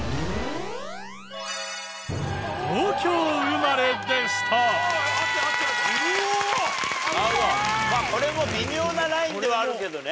まあこれも微妙なラインではあるけどね。